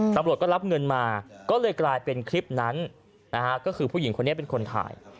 ตำรวจก็รับเงินมาก็เลยกลายเป็นคลิปนั้นนะฮะก็คือผู้หญิงคนนี้เป็นคนถ่าย